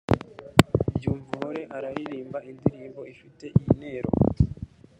Byumvuhore araririmba indirimbo ifite iyi ntero